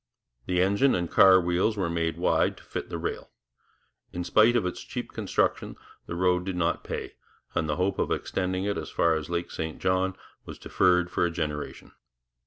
The engine and car wheels were made wide to fit the rail. In spite of its cheap construction the road did not pay, and the hope of extending it as far as Lake St John was deferred for a generation.